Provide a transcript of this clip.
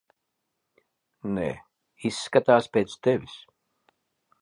Nē, izskatās pēc tevis.